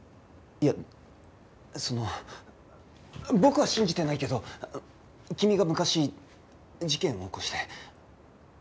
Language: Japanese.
いやその僕は信じてないけど君が昔事件を起こして。